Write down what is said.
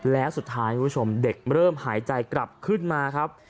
แล้วสุดท้ายคุณผู้ชมเด็กเริ่มหายใจกลับขึ้นมาครับ